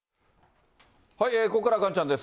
ここからは岩ちゃんです。